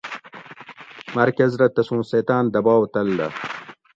مرکز رہ تسوں سیتاۤن دباؤ تل دہ